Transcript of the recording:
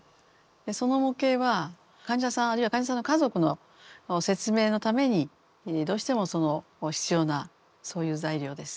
その模型は患者さんあるいは患者さんの家族の説明のためにどうしてもその必要なそういう材料です。